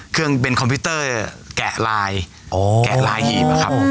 คือเป็นคอมพิวเตอร์แกะลายแกะลายหีบ